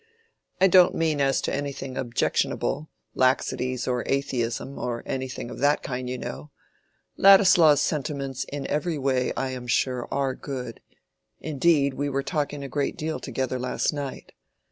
"I don't mean as to anything objectionable—laxities or atheism, or anything of that kind, you know—Ladislaw's sentiments in every way I am sure are good—indeed, we were talking a great deal together last night.